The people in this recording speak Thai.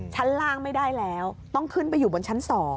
ชั้นล่างไม่ได้แล้วต้องขึ้นไปอยู่บนชั้น๒